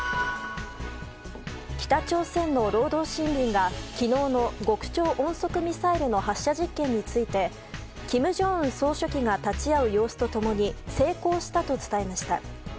北朝鮮の労働新聞が昨日の極超音速ミサイルの発射実験について金正恩総書記が立ち会う様子と共に成功したと伝えました。